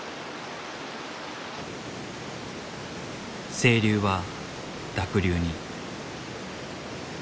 清流は濁流に。